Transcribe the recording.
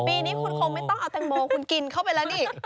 ปีนี้คุณคงไม่ต้องเอาแตงโมคุณกินเข้าไปแล้วนี่